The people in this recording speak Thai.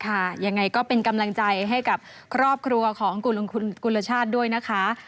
ยังไงก็เป็นกำลังใจให้กับครอบครัวของคุณกุลชาติด้วยนะคะ